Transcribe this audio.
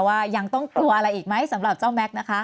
ว่ายังต้องกลัวอะไรอีกไหมสำหรับเจ้าแม็กซ์นะคะ